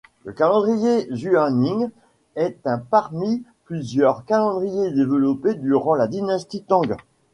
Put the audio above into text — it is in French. Le calendrier Xuanming est un parmi plusieurs calendriers développés durant la dynastie Tang.